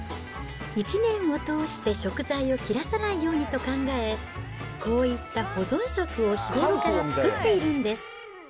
１年を通して食材を切らさないようにと考え、こういった保存食を日頃から作っているんです。